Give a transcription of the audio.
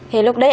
thì lúc đấy